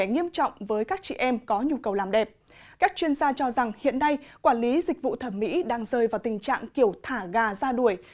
nghiêm trọng với các chị em có nhu cầu làm đẹp các chuyên gia cho rằng hiện nay quản lý dịch vụ thẩm mỹ đang rơi vào tình trạng kiểu thả gà ra đuổi